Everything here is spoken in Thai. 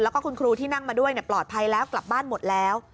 แล้วก็คุณครูที่นั่งมาด้วยปลอดภัยแล้วกลับบ้านหมดแล้ว